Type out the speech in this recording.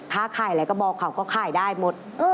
ถ้าขายอะไรก็บอกเขาก็ขายได้หมด